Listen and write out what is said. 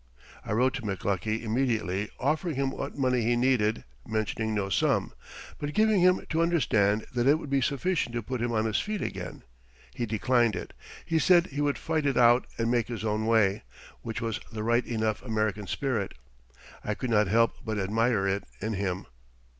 I wrote to McLuckie immediately, offering him what money he needed, mentioning no sum, but giving him to understand that it would be sufficient to put him on his feet again. He declined it. He said he would fight it out and make his own way, which was the right enough American spirit. I could not help but admire it in him.